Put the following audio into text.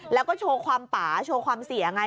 แล้วก็โชว์ความป่าโชว์ความเสี่ยงไง